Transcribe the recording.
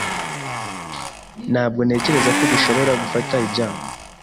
Ntabwo ntekereza ko dushobora gufata ibyago.